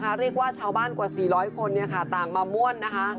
เราเรียกว่าชาวบ้านกว่า๔๐๐คนนี่นะคะต่างมาม่วลนะคะ